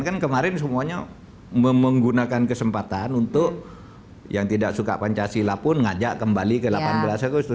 kan kemarin semuanya menggunakan kesempatan untuk yang tidak suka pancasila pun ngajak kembali ke delapan belas agustus